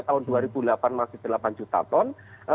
tahun dua ribu delapan masih delapan juta ton